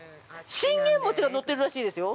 信玄餅がのっているらしいですよ。